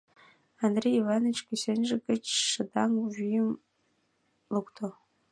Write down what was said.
— Андрей Иваныч кӱсенже гыч шыдаҥ вуйым лукто.